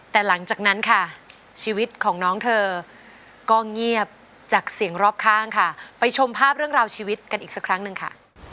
แต่หลังจากนั้นค่ะชีวิตของน้องเธอก็เงียบจากเสียงรอบข้างค่ะไปชมภาพเรื่องราวชีวิตกันอีกสักครั้งหนึ่งค่ะ